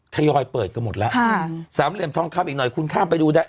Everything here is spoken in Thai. ทยอยเปิดกันหมดแล้วค่ะสามเหลี่ยมทองคำอีกหน่อยคุณข้ามไปดูได้